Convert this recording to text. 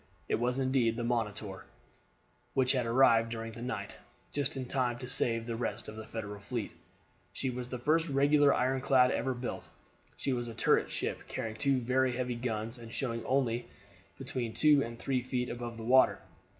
It was indeed the Monitor, which had arrived during the night, just in time to save the rest of the Federal fleet. She was the first regular ironclad ever built. She was a turret ship, carrying two very heavy guns, and showing only between two and three feet above the water.